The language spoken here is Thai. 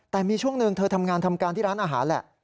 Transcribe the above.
แต่มีช่วงหนึ่งเธอทำงานทำการที่ร้านอาหารแหละ